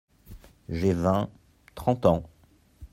J’ai vingt, trente ans.